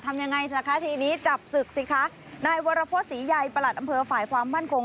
ทำยังไงล่ะคะทีนี้จับศึกสิคะนายวรพฤษศรีใยประหลัดอำเภอฝ่ายความมั่นคง